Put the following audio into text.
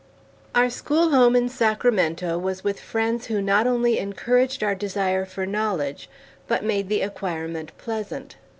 Our school home in Sacramento was with friends who not only encouraged our desire for knowledge, but made the acquirement pleasant.